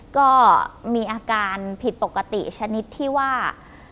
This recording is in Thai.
ก็มีอาการผิดปกติชนิดที่ว่า